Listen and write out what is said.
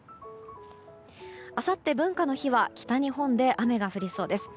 あさって、文化の日は北日本で雨が降りそうです。